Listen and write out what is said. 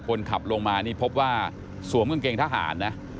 คนขับลงมานี่พบว่าสวมกางเกงทหารนะ